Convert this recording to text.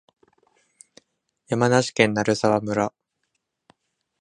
山梨県鳴沢村